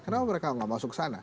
kenapa mereka nggak masuk ke sana